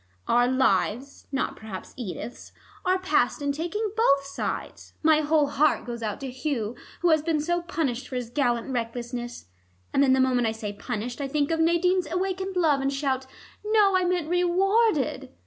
Our lives not perhaps Edith's are passed in taking both sides. My whole heart goes out to Hugh, who has been so punished for his gallant recklessness, and then the moment I say 'punished' I think of Nadine's awakened love and shout, 'No, I meant rewarded.'